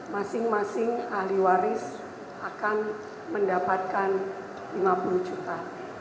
masing masing ahli waris akan mendapatkan lima puluh juta